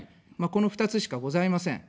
この２つしかございません。